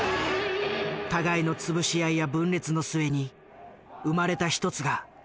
互いの潰し合いや分裂の末に生まれた一つが連合赤軍である。